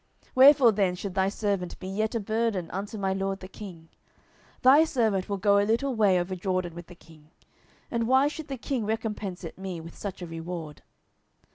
wherefore then should thy servant be yet a burden unto my lord the king? 10:019:036 Thy servant will go a little way over Jordan with the king: and why should the king recompense it me with such a reward?